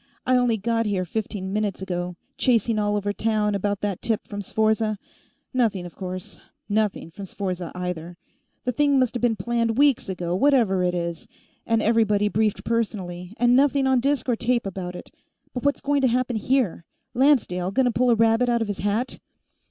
I only got here fifteen minutes ago. Chasing all over town about that tip from Sforza. Nothing, of course. Nothing from Sforza, either. The thing must have been planned weeks ago, whatever it is, and everybody briefed personally, and nothing on disk or tape about it. But what's going to happen here? Lancedale going to pull a rabbit out of his hat?"